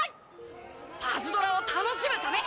パズドラを楽しむため！